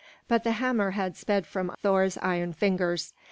But the hammer had sped from Thor's iron fingers.